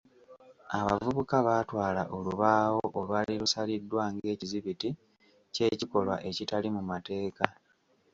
Abavubuka baatwala olubaawo olwali lusaliddwa ng'ekizibiti ky'ekikolwa ekitali mu mateeka.